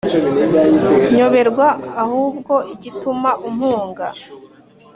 nyoberwa ahubwo igituma umpunga